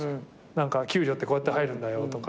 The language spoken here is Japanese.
給料ってこうやって入るんだよとか。